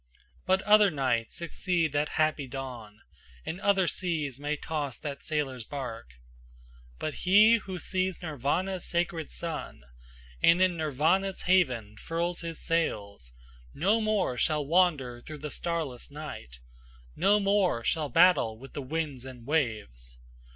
But other nights succeed that happy dawn, And other seas may toss that sailor's bark. But he who sees Nirvana's sacred Sun, And in Nirvana's haven furls his sails, No more shall wander through the starless night, No more shall battle with the winds and waves.